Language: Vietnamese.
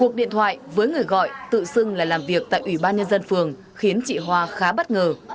cuộc điện thoại với người gọi tự xưng là làm việc tại ủy ban nhân dân phường khiến chị hoa khá bất ngờ